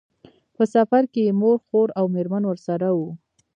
په سفر کې یې مور، خور او مېرمنه ورسره وو.